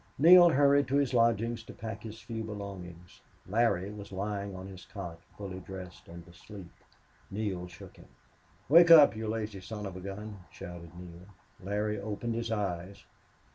Neale hurried to his lodgings to pack his few belongings. Larry was lying on his cot, fully dressed and asleep. Neale shook him. "Wake up, you lazy son of a gun!" shouted Neale. Larry opened his eyes.